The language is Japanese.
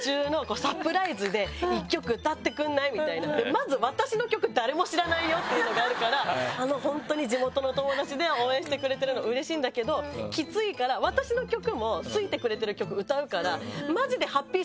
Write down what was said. まず私の曲誰も知らないよっていうのがあるから本当に地元の友達では応援してくれてるのうれしいんだけどきついから私の曲も好いてくれてる曲歌うから。